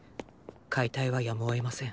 解体はやむを得ません。